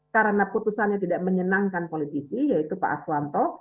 karena putusannya tidak menyenangkan politisi yaitu pak aswanto